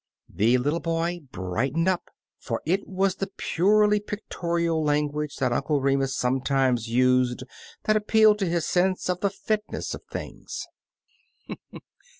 The little boy brightened up, for it was the purely pictorial language that Uncle Remus sometimes used that appealed to his sense of the fitness of things.